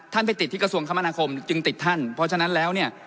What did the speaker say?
ไปติดที่กระทรวงคมนาคมจึงติดท่านเพราะฉะนั้นแล้วเนี่ย